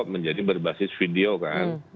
menjadi berbasis video kan